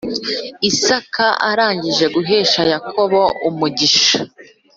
Isaka arangije guhesha yakobo umugisha